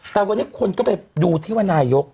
แต่วันนี้คนก็ไปดูที่ว่านายก